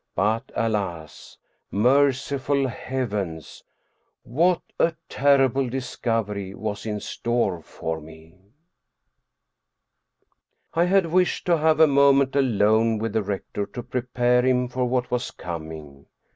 But alas, Merciful Heavens ! What a terrible discovery was in store for me ! I had wished to have a moment alone with the rector to prepare him for what was coming.